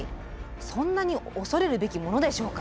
そんなに恐れるべきものでしょうか？